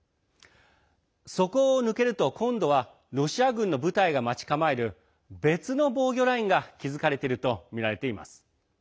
そこを抜けると今度はロシア軍の部隊が待ち構える別の防御ラインが築かれているとみられています。